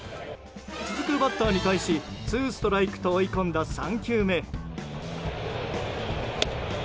続くバッターに対しツーストライクと追い込んだ３球目。